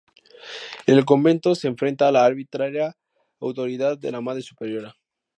En el convento, se enfrenta a la arbitraria autoridad de la madre superiora.